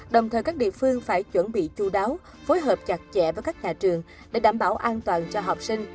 đồng thời các địa phương phải chuẩn bị chú đáo phối hợp chặt chẽ với các nhà trường để đảm bảo an toàn cho học sinh